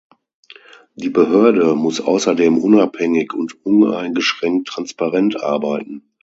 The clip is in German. Die Behörde muss außerdem unabhängig und uneingeschränkt transparent arbeiten.